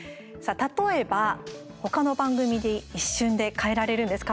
例えば、ほかの番組に一瞬で変えられるんです。